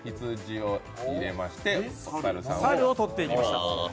さるをとっていきました。